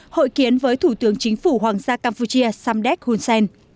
hội kiến với thủ tướng chính phủ hoàng gia campuchia samdek hun sen